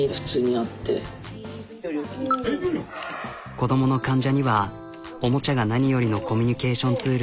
子どもの患者にはおもちゃが何よりのコミュニケーションツール。